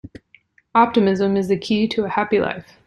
Optimism is the key to a happy life.